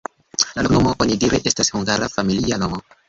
La loknomo onidire estas hungara familia nomo.